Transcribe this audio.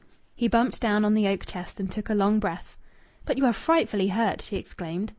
He bumped down on the oak chest, and took a long breath. "But you are frightfully hurt!" she exclaimed.